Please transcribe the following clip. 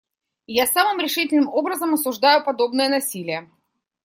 Я самым решительным образом осуждаю подобное насилие.